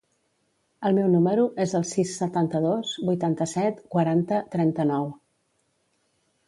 El meu número es el sis, setanta-dos, vuitanta-set, quaranta, trenta-nou.